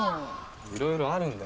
いろいろあるんだよ